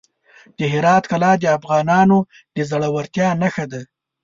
د هرات کلا د افغانانو د زړورتیا نښه ده.